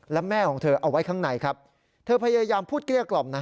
และแม่ของเธอเอาไว้ข้างในครับเธอพยายามพูดเกลี้ยกล่อมนะ